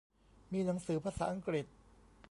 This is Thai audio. มีหนังสือภาษาอังกฤษ